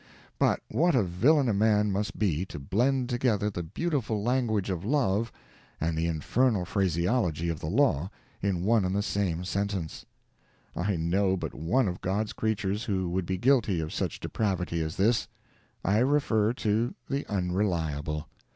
But what a villain a man must be to blend together the beautiful language of love and the infernal phraseology of the law in one and the same sentence! I know but one of God's creatures who would be guilty of such depravity as this: I refer to the Unreliable.